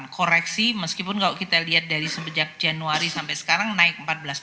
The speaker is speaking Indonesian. koreksi meskipun kalau kita lihat dari semenjak januari sampai sekarang naik empat belas dua puluh